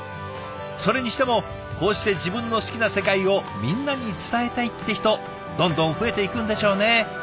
それにしてもこうして自分の好きな世界をみんなに伝えたいって人どんどん増えていくんでしょうね。